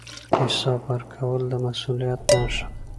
حساب ورکول د مسوولیت نښه ده